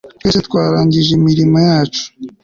Twese twarangije imirimo yacu